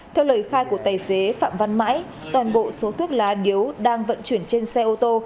theo lời khai của tài xế phạm văn mãi toàn bộ số thuốc lá điếu đang vận chuyển trên xe ô tô